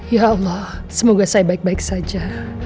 ya allah semoga saya baik baik saja